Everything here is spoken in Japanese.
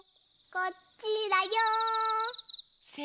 ・こっちだよ。・せの。